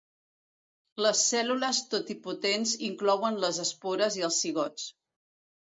Les cèl·lules totipotents inclouen les espores i els zigots.